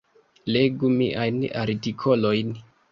Legu miajn artikolojn.